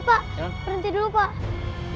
pak berhenti dulu pak